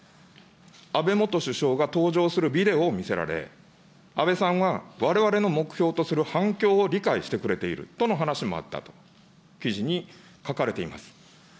安倍元首相が登場するビデオを見せられ、安倍さんは、われわれの目標とするはんきょうを理解してくれているとの話もあったと、記事に書かれています。